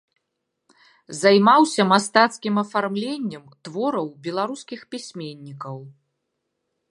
Займаўся мастацкім афармленнем твораў беларускіх пісьменнікаў.